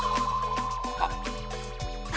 「あっ」